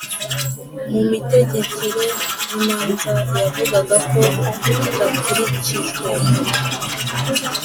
mu mitegekere n imanza Yavugaga ko hadakurikijwe